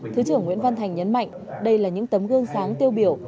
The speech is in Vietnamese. thứ trưởng nguyễn văn thành nhấn mạnh đây là những tấm gương sáng tiêu biểu